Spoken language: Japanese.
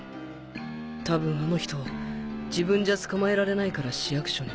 たぶんあの人自分じゃ捕まえられないから市役所に